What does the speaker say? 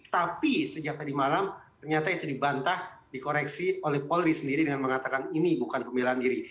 tapi sejak tadi malam ternyata itu dibantah dikoreksi oleh polri sendiri dengan mengatakan ini bukan pembelaan diri